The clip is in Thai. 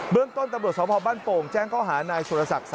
เรื่องต้นตำรวจสพบ้านโป่งแจ้งข้อหานายสุรศักดิ์